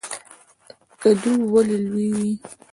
کدو ولې لوی وي؟